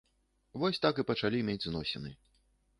Вось так і пачалі мець зносіны.